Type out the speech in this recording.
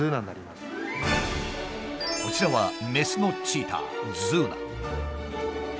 こちらはメスのチーターズーナ。